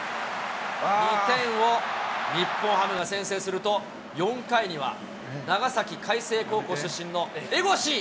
２点を日本ハムが先制すると、４回には長崎・海星高校出身の江越。